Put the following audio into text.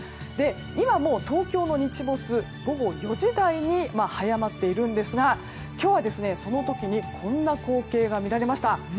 今は東京の日没は午後４時台に早まっているんですが今日は、その時にこんな光景が見られました。